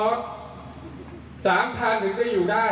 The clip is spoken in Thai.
๓๐๐๐บาทถึงจะอยู่ได้